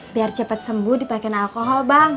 biar cepet sembuh dipakein alkohol bang